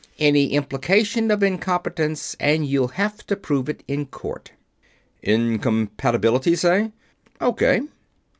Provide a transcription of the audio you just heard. Any implication of incompetence and you'll have to prove it in court." "Incompatibility, say?" "O.K."